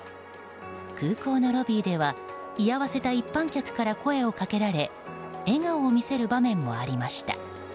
空港のロビーでは、居合わせた一般客から声をかけられ笑顔を見せる場面もありました。